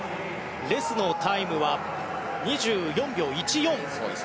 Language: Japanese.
レスのタイムは２４秒１４。